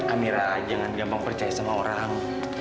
amira jangan gampang percaya sama orang